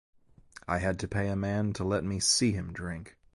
I had to pay a man to let me see him drink.